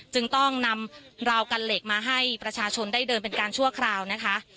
จึงต้องนำราวกันเหล็กมาให้ประชาชนได้เดินเป็นการชั่วคราวนะคะ